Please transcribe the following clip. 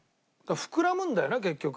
膨らむんだよな結局。